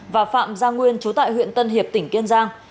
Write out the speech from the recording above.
và phạm gia nguyên chú tại huyện tân hiệp tỉnh kiên giang